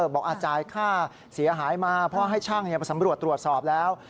บอกอาจ่ายค่าเสียหายมาเพราะให้ช่างสำรวจตรวจสอบแล้ว